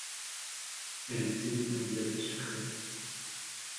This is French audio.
Elle est décédée d'un diabète sucré.